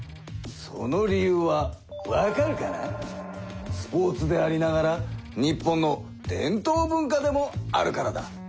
その理由はスポーツでありながら日本の伝統文化でもあるからだ。